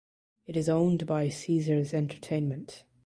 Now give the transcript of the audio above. It is owned by Caesars Entertainment.